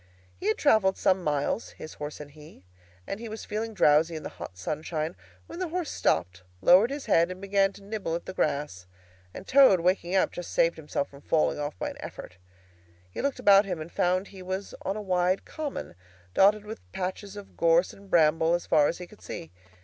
He had travelled some miles, his horse and he, and he was feeling drowsy in the hot sunshine, when the horse stopped, lowered his head, and began to nibble the grass; and Toad, waking up, just saved himself from falling off by an effort. He looked about him and found he was on a wide common, dotted with patches of gorse and bramble as far as he could see.